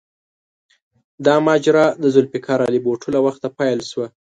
دا ماجرا د ذوالفقار علي بوټو له وخته پیل شوه.